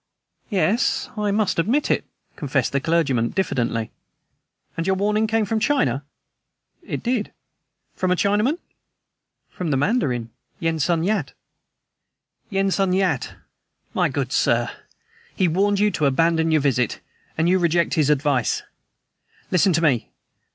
"Yes, I must admit it," confessed the clergyman diffidently. "And your warning came from China?" "It did." "From a Chinaman?" "From the Mandarin, Yen Sun Yat." "Yen Sun Yat! My good sir! He warned you to abandon your visit? And you reject his advice? Listen to me."